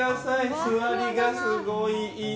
座りがすごいいい。